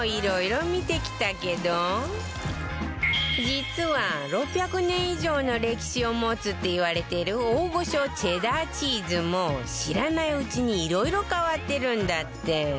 実は６００年以上の歴史を持つっていわれてる大御所チェダーチーズも知らないうちに色々変わってるんだって